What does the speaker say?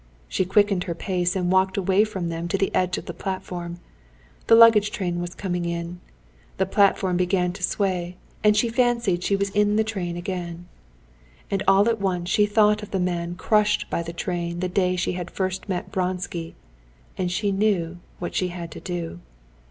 She quickened her pace and walked away from them to the edge of the platform. A luggage train was coming in. The platform began to sway, and she fancied she was in the train again. And all at once she thought of the man crushed by the train the day she had first met Vronsky, and she knew what she had to do.